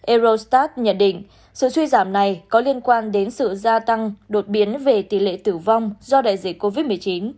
eurostat nhận định sự suy giảm này có liên quan đến sự gia tăng đột biến về tỷ lệ tử vong do đại dịch covid một mươi chín